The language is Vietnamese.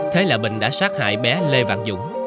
thế là bình đã sát hại bé lê văn dũng